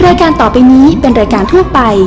รายการต่อไปนี้เป็นรายการทั่วไป